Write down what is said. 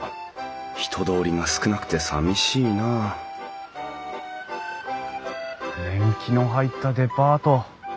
人通りが少なくてさみしいなあ年季の入ったデパート。